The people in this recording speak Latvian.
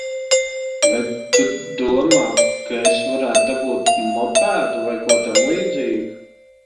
Vai tu domā, ka es varētu dabūt mopēdu vai ko tamlīdzīgu?